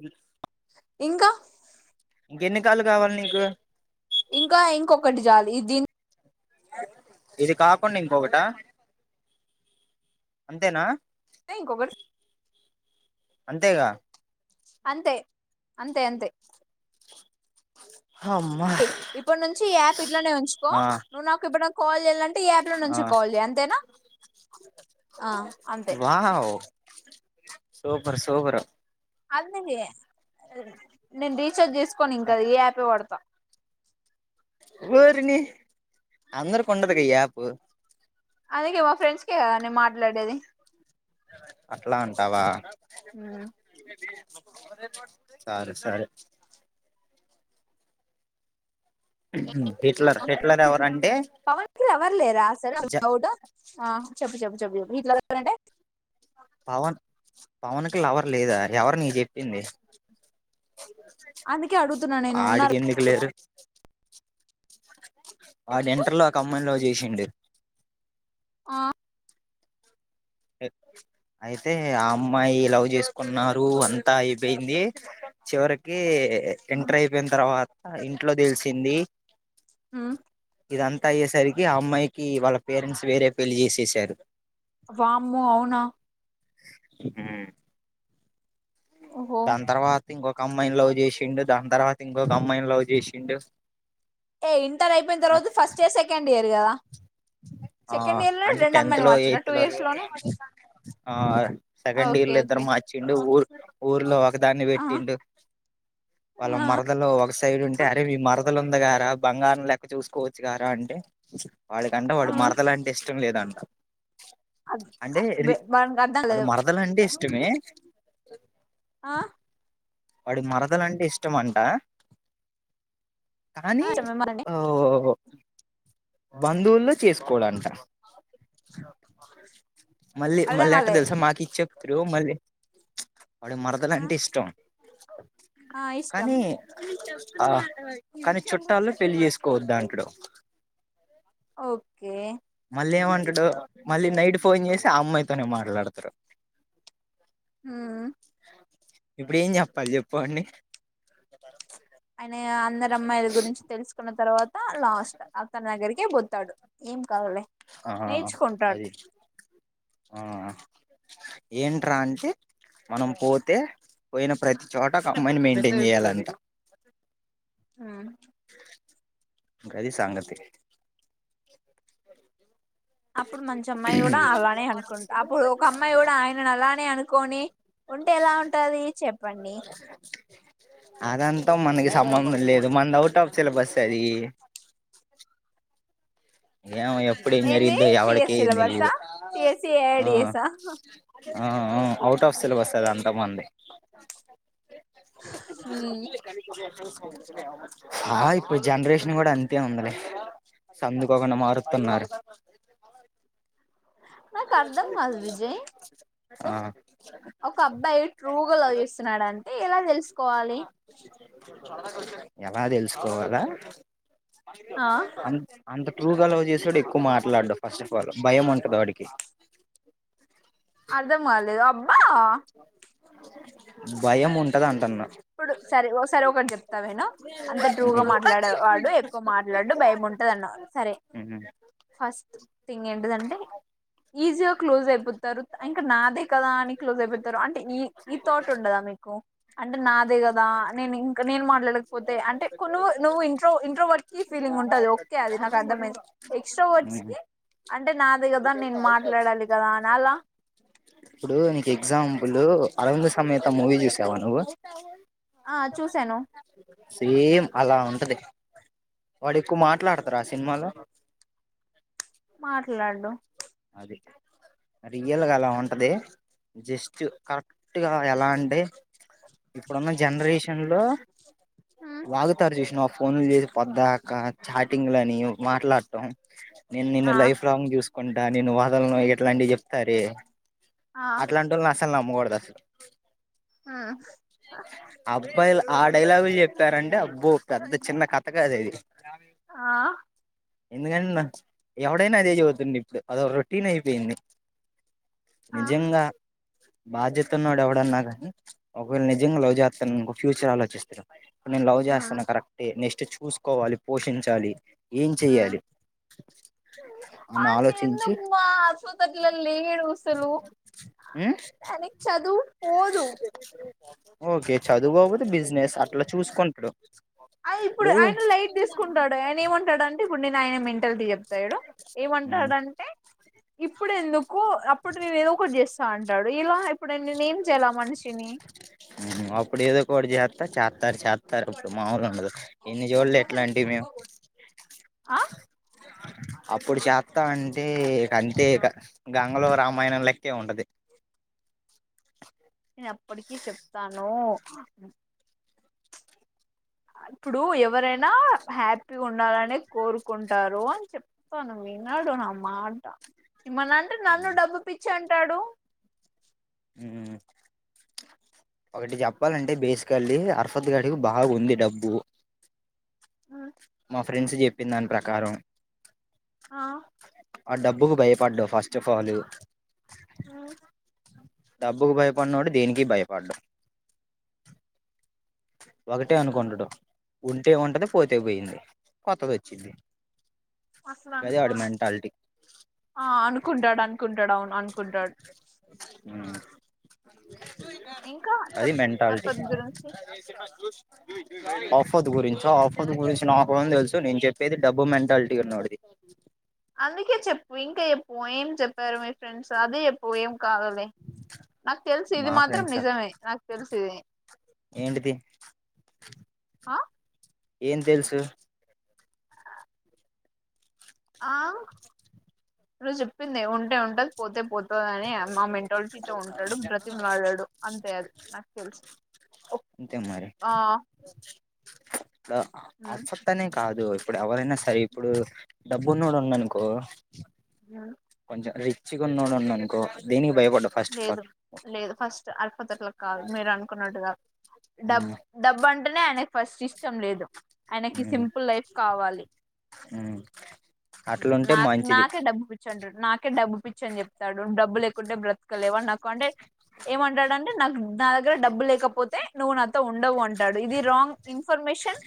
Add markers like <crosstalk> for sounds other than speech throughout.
హ ఇంకా ఇంకెన్ని కాళ్లుు కావాలి నీకు ఇంకా ఇంకొకటి జాలి దీని ఇది కాకుండా ఇంకొకట అంతేనా ఇంకొకటి అంతేగా అంతే అంతే అంతే ఆ ఇప్పుడు నుంచి ఆయాప్ ఇట్లానే ఉంచుకో ను నాకు ఇప్పుడు కాల్ ఎల్లాం యాప్ లో ఆ నుంచి కాల్ చే అంతేనా అంతే సోపర్ సోపరా అదడి నేను రీచార్జ్ చేసుకోని ఇంకాద ఏ యాపే పడతా ఊరిని అందరు కొండదు కయ ఆపు అందుకే మా ఫ్రెండ్స్కే కదా నే మాట్లాడేది అట్లా ఉంటావా సరే సరే హిట్లర్ హిట్లర్ ఎవరంటే పవన్ కి ఎవరు చెప్పి చెప్పపి చెప్ప చెప్పు వీట్లావరంట పవన్ పవన్ క లవర్ లేదా ఎవరిని చెప్పింది అందుకే అడుగుతున్నా నేను ఆడికి ఉన్నారు ఎందుకు లేరు ఇస్ వాడెంటర్లో కమ్మలో చేసిండే ఆ ఆయి అయితే ఆ అమ్మాయి లవ్ చేసుకున్నారు అంతా అయిపోయింది చివరికి ఎంటర్ అయిపోయిన తర్వాత ఇంట్లో తెలుసు తిండీ హమ్ ఇదంతా అయ్యేసరికి ఆ అమ్మాయికి వాళ్ళ పేరెంట్స్ వేరే పెళ్లిి చేససారు వముంఅవునా హమ్ ఓహో దాని తర్వాత ఇంకొక అమ్మాయిని లవ్ చేసిండు దాని తర్వాత ఇంకొక అమ్మాయిని లవ్ చేసిండు ఏ ఇంటర్ అయిపోయిన తర్వాత ఫస్ట్ ఇయర్ సెకండ్ ఇయర్ కదా ఆ సెకండ్ ఇయర్ లో అంటే రెండు టెన్త్ అమ్మాయిలు లో మార్చిన ఎయిత్ టూ లో ఇయర్స్ లోనే ఆ సెకండ్ ఓకే ఇయర్ లో ఇద్దరు ఓకే మార్చిండు ఊ ఊర్లో ఒక దాన్ని ఆ పెట్టిండు వాళ్ళ ఆ మరదలో ఒక సైడ్ ఉంటే అరే మరదలు ఉంద గారా బంగారం లెక్క చూసుకోవచ్చు గారా అంటే ఎదంట వాడు ఆ మరదలు అంటే ఇష్టం లేదంట అంటే ర వానికి అర్థం వాడు లేదు మరదలంటే ఇష్టం ఇష్టమే ఆ వాడి మరతలంటే ఇష్టం అంట ఆ కానీ ఇష్టమే మనండి ఆ బంధువుల్లో చేసుకోడంట హా మళ్ళీ అర్థం మళ్ళెట్ట కాలే తెలుసా మాకు ఇచ్చే ప్ రూమ్ అది వాడి మరదలు ఆ అంటే ఇష్టం ఆ ఇష్టం కానీ ఆ కానీ చుట్టాల్లో పెళ్లి చేసుకోవద్ద అంటడు ఓకే మళ్ళీ ఏమంటడు మళ్ళీ నైట్ ఫోన్ చేసి ఆ అమ్మాయితోనే మాట్లాడతారు. హ్మ్ ఉ ఇప్పుడు ఏం చెప్పాలి చెప్పుకోండి అని అందరు అమ్మాయిల గురించి తెలుసుకున్న తర్వాత లాస్ట్ అతని దగ్గరికే పొతాడు ఏం కావాలే ఆ అది ఆ ఏంట్రా అంటే మనం పోతే పోయిన ప్రతి చోట ఒక అమ్మాయిని మెయింటైన్ చేయాలంట. ఆ గది సంగతి అప్పుడు మంచి అమ్మాయి కూడా అలానే అనుకుంట అప్పుడు ఒక అమ్మాయి కూడా ఆయనను అలానే అనుకొని ఉంటే ఎలా ఉంటది చెప్పండి అదంతా మనకి అది సంబంధం లేదు మంది ఔట్ ఔటప్ సిలబస్ అది ఏమో ఎప్పుడు ఏం ఏంది జరిగిద్దో ఎవడికి పిఎస్సి ఏం ల పర్సా తెలీదు ఆ సిఎస్సిడిఎస్ ఆ అవుట్ ఆఫ్ సిలబస్ అది అంత మనది హుమ్ ఆ ఇప్పుడు జనరేషన్ కూడా అంతే ఉందలే అందుకు పోకుండా మారుతన్నారు నాకు అర్ధం కాదు విజయ్ అ ఆ ఒక అబ్బాయి ట్రూగ లవ్ చేస్తున్నాడంటే ఎలా తెలుసుకోవాలి ఎలా తెలుసుకోవాలా ఆ అన్ అంత ట్రూగ లవ్ సుడు ఎక్కువ మాట్లాడు ఫస్ట్ ఆఫ్ ఆల్ భయం కదా వాడికి నాక్ అర్ధం కాలేేదు అబ్బా భయం ఉంటది అంటన్న ఇప్పుడు సరే ఒకసారి ఒకటి చెప్తా విను. అంత ట్రూగా మాట్లాడేవాడు ఎక్కువ మాట్లాడు. భయం ఉంటది అన్నవు సరే. ఫస్ట్ థింగ్ ఏంటదంటే ఈజీగా క్లోజ్ అయిపోతారు. ఇంకా నాదే కదా అని క్లోజ్ అయిపోతారు. అంటే ఈ ఈ థాట్ ఉండదా మీకు. అంటే నాదే కదా నే ఇంక నేను మాట్లాడకపోతే, అంటే కొ నువ్వు ఇంట్రో ఇంట్రో వర్డ్ కి ఫీలింగ్ ఉంటది. ఓకే అది నాకు అర్థమైంది. ఎక్స్ట్రా వర్డ్స్ కి అంటే నాదే కదా నేను మాట్లాడాలి కదా అన అలా పులు అరవింద్ సమేత మూవీ చూసావా నువ్వు ఆ చూశాను సేమ్ అలా ఉంటది వాడు ఎక్కువ మాట్లాడతారు ఆ సినిమాలో మాట్లాడు రియల్గా అలా ఉంటది జస్ట్ కరెక్ట్గా ఎలా అంటే ఇప్పుడున్న జనరేషన్ లో ఉమ్, వాగుతారుజ విష్ణ ఫోన్లు చేసి పొద్దకా చాటింగ్ లని మాట్లాడటం నేనున్న ఆ లైఫ్లాంగ్ చూ నేను వాదలను ఎట్లాంటివి చెప్తార ఆ అట్లాంట వాళ్ళు న మ్గోడ దసలు ఉమ్, అబ్బాయిలా ఆ డైలాగులు చెప్పారంటే అబ్బో పెద్ద చిన్న కథ కాద ఇది ఆ ఎందుకంట ఎవడైనా అదే చదువుతుంది ఇప్పుడు అద రొటీన్ అయిపోయింది ఆ నిజంగా బాధ్యతన్నాడు ఎవడన్నా కానీ ఒకవేళ నిజంగా లవ్ చేస్తానుకో ఫ్యూచర్ ఆలోచిస్తారు నేను లవ్ ఉమ్, చేస్తాను కరక్ నెస్ట్ చూసుకోవాలి పోషించాలి ఏం ఉమ్. చెయ్యాలి అన్న అని ఆలోచన ఎందుకు ఆస్పత్రల లే ఈడుగుసలు ఉమ్ ననకి చదువు పోఓదు ఓకే చదువుకోకదు బిజినెస్ అట్లా చూసుకుంటడు ఇప్పుడు ఆయన లైట్ తీసుకుంటాడు ఆయన ఏమంటాడు అంటే ఇప్పుడుే య మింటల్ ద అ ాడు ఏమంటాడుంటే ఇప్పుడు ఎందుకు అప్పుడు నేను ఏదో ఒకటి చేస్తా అంటాడు అలా అప్పుడ ఏద కొజత చ తారు చేస్తారు ఇప్పుడు మాముూలు ఉండదు ఎన్ని చోట్లు ఎట్లా అండి మేము ఆ అప్పుడు చేస్తా అంటే అంటే గంగలో రామాయణం లెక్కే ఉంటది <inaudible> నేను అప్పటికిీ చెప్తాను ఇప్పుడు ఎవరైనా హ్యాపీగా ఉండాలని కోరుకుంటారు అని చెప్తాను విన్నాడు నా మాట మన అంటే నన్ను డబ పిచ్చి కూర్చ్చ అంటాడు ఒకటి చెప్పాలంటే బేసికల్లి అరఫత్ గాడికి బాగుంది డబ్బు మా ఫ్రెండ్స్ చెప్పిన దాని ప్రకారం ఆ ఆ డబ్బుకు భయపడ్డా ఫస్ట్ ఆఫ్ ఆల్ డబ్బుకు భయపడనోడు దేనికి భయపడు ఒకటే అనుకుంటడు ఉంటే ఉంటది పోతే పోయింది కొత్తది వచ్చింది అసలు గదే వాడి అనుకోడు మెంటాలిటీ ఆ అనుకుంటాడు అనుకుంటాడు అవును అనుకుంటడు ఉ ఇంకా చెప్పు ఆరు పద్ గురించి ఆఫత్ గురించ ఆఫత్ గురించి నాకు కూడం తెలుసు నేను చెప్పేది డబ్బు మెంటాలిటీ ఉన్నోడిది అందుకే చెప్పు ఇంకా ఎప్పు ఏం చెప్పారు మీ ఫ్రెండ్స్ అది ఎప్పు ఏం కావలే నాకు తెలుసు ఇది మా మాత్రం ఫ్రెండ్సా నిజమే నాకు తెలుసు ఇది ఏంటిది ఆ ఏం తెలుసు ఆ నువ్ చెప్పిందే ఉంటే ఉంటది పోతే పోత్ ఓ అనియా అమ్మ మెంటాలిటీతో ఉంటాడు బ్రతిమిలాడడు అంతే అది నాకు తెలుసు ఓ అంతే మరి ఆ ద ఉమ్, అచోతనే కాదు ఇప్పుడు ఎవరైనా సరే ఇప్పుడు డబ్బుఉనోడు ఉన్ను అనుకో నా రిచ్ గా ఉన్నోడు ఉన్ను అనుకో దేనికి భయపడ్డు ఫస్ట్ లేదు ఆఫ్ లేదు ఫస్ట్ అల్పతోట్ల కాదు మీరు అనుకున్నట్టుగా డబ్బు డబ్బు అంటేనే ఆయనక్ ఫస్ట్ ఇష్టం లేదు ఆయనకి ఆల్ సింపుల్ లైఫ్ కావాలి ఉమ్ ఊ అట్లుంటే నాకు మంచిది నాకే డబ్బు పిచ్చింటారు నాకే డబ్బు పిచ్చి వచ్చాను చెప్ తడుం డబ్బులు లేకుంటే బ్రత్ నా కాడ లేవు నాకు అంటే ఏమంటాడుంటే నాకు నా దగ్గర డబ్బు లేకపోతే నువ్వు నాతో ఉండవు అంటాడు ఇది రాంగ్ ఇన్ ఇన్ఫర్మేషన్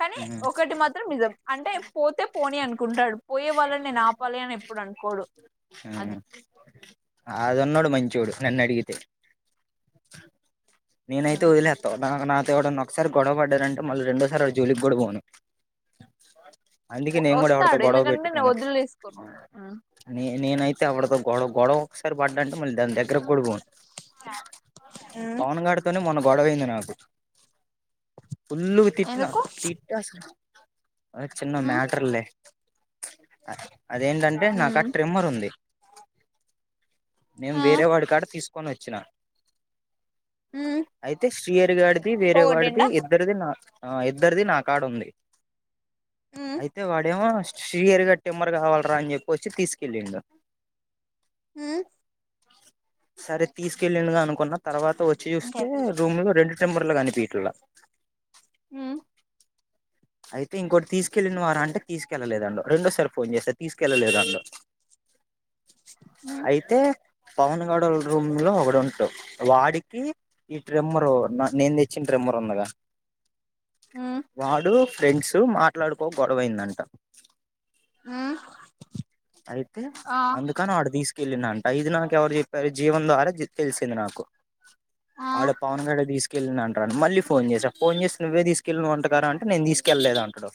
కానీ ఉమ్ ఒకటి మాత్రం నిజం అంటే పోతే పోని అనుకుంటాడు పోయే వాళ్ళ నేను ఆపాలి అని ఎప్పుడు అనుకోను కొడుకు ఆ అది ఉనోడు మంచోడు నన్ను అడిగితే ఉమ్. నేనైతేవదిలేత్తావా హ నాతో ఎవడన్నా ఒకసారి గొడవ పడారంటే మళ్ళీ రెండోసారి వాడి జోలికికూడా పోను అందుకే వ- నేను కూడా ఎవరితో వస్తాడు గొడవ ఎందుకంటే నేను పెట్టుకోను వదిలేసుకోను ఉమ్. నేనైతే ఎవరితో గొడవై గొడవై ఒక్కసారి పద్దంటే <unintelligible> <unintelligible> ఉమ్. పవన్ గాడితోటే మొన్న గొడవైంది నాకు ఫుల్లుగ తిట్నా ఎందుకు తిట్ అసలు ఓ చిన్న ఉమ్. మ్యాటర్ లే చీ అదే అదేంటంటే నాకాడ ఉమ్. ట్రిమ్మర్ ఉంది నేను ఆ. వేరే వాడి కాడ తీసుకో కొనిచ్చిన ఉమ్. అయితే శ్రీహరి ది వేరే వాడిది పోగొట్టిండా ఇద్దరుది నాది ఆ ఇద్దరిది నా కాడు ఉంది అయితే వాడేమో షయరగా టిమ్మర్ కావాలరా అని చెప్పొచ్చి తీసుకెళ్ళిడు మ్ సరే తీసుకెళ్ళుగా అనుకున్నా తర్వాత వచ్చి ఇంక చూస్తే అయిపోలే రూమ్ రెండు టెంబర్లుగాని పీట్ల మ్ అయితే ఇంకోటి తీసుకెళ్లిన వారా అంటే తీసుకెళ్ళలేదండు రెండోసారి ఫోన్ చేస్తారు తీసుకెళ్ళలేదండు అయితే పవనగాడు రూమ్ లో ఒకడు ఉంటు వాడికి ఈ ట్రిమ్మర్ నా నేను తెచ్చిన ట్రిమ్మర్ ఉందిగా వాడు ఫ్రెండ్స్ మాట్లాడుకో గొడవైందంట మ్ అయితే అందుకని ఆడు థిస్ తీసుకెళ్ళిన అంట ఇది నాకు ఎవరు చెప్పారు జీవం ద్వారా తే తెలిసింది నాకు ఆ ఆడ పవన్ గాడే తీసుకు తీసుకెళ్ళి అంటను మళ్ళీ ఫోన్ చేసా ఫోన్ చేసి నువ్వే తీసుకెళ్లిన వంట గదరా అంటే నేను తీసుకెళ్లేదు అంటాడు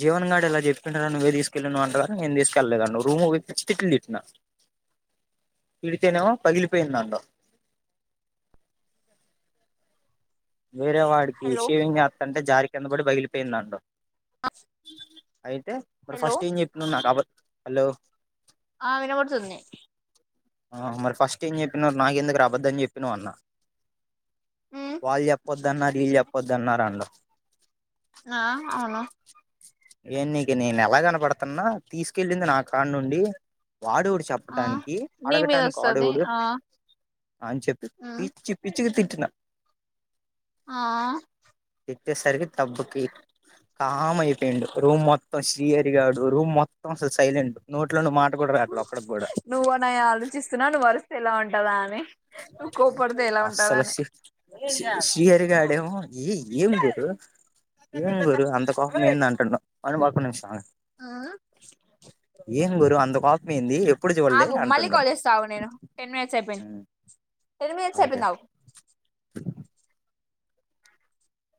జీవన్ గాడు ఎలా చెప్పిండ్ర నువ్వే తీసుక కెళ్ళిన వంటగదా నేను తీసుకెళ్లేదు రూమ్ తిట్ తట్టినా తిడితేనేమో పగిలి పోయిందంట వేరే వాడికి షేవింగ్ చెత్త అంటే జారి కిందపడి బగిలిపోయిందంట ఆ అయితే మరి ఫస్ట్ ఏం చెప్పినావు నాకు అబద్ధం హలో ఆ వినబడుతుంది ఆ మరి ఫస్ట్ ఏం చెప్పిన నాకు ఎందుకురా అబద్ధం చెప్పినవ్ అన్నావ్ వాళ్ళు చెప్పొద్దన్నారు ఈలూ చెప్పొద్దు అన్నారన్నావ్ ఆ అవును ఏ నీకు నేను ఎలా కనపడుతున్నా తీసుకెళ్ళింది నా కాడ నుండి వాడెవడు చెప్పటానికి నీ మీద అడగటానికి వస్తది వాడెవడు ఆ అని చెప్పి పిచ్చి పిచ్చిగా తి ట్టిన ఆ ఇచ్చేసరికి తబ్బకి కామ్ అయిపో యిండు రూమ్ మొత్తం శ్రీహరి గాడు రూమ్ మొత్తం అసలు సైలెంట్ నోట్లో నుండి మాట కూడా రాట్లే ఒక్కడికి కూడా నువ్వు అన్నయ్య ఆలోచిస్తున్నా నువ్వు అరుస్తే ఎలా ఉంట కదా అనే అస్సలుసి శ్రీహరి గాడు ఏమో ఏ ఏం గురు ఏం గురు అంత కోపం ఏంది అని అంటుండు అను అగు ఒక నిమిషం ఆ ఏం గురు అంత కోపమేంది ఆగు మళ్ళీ కాలే చేస్తా ఆగు నేను టెన్ మినిట్స్ అయిపోయింది ఎనిమి అని ఓకే చెప్పిన్నావు